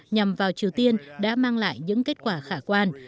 nhằm vào triều tiên đã mang lại những kết quả khả quan